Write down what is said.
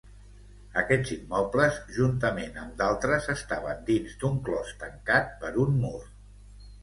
Aquests immobles, juntament amb d'altres, estaven dins d'un clos tancat per un mur.